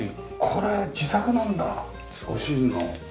これ自作なんだご主人の。